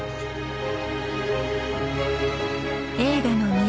映画の都